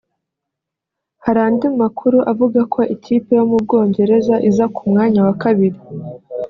Hari andi makuru avuga ko ikipe yo mu Bwongereza iza ku mwanya wa kabiri